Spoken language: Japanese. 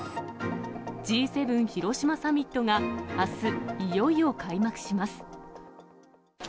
Ｇ７広島サミットがあす、いよいよ開幕します。